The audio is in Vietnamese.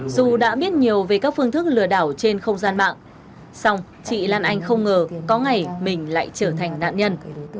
dù đã biết nhiều về các phương thức lừa đảo trên không gian mạng xong chị lan anh không ngờ có ngày mình lại trở thành nạn nhân